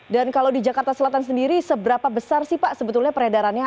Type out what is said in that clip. dan kalau di jakarta selatan sendiri seberapa besar sih pak sebetulnya peredarannya